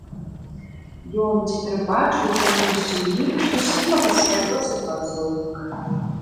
Ён цяпер бачыў чамусьці ў ім шчаслівага свайго супраціўніка.